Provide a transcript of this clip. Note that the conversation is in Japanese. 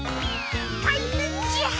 たいへんじゃ。